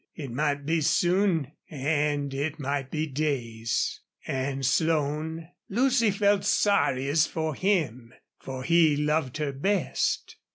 It might be soon and it might be days. And Slone Lucy felt sorriest for him. For he loved her best.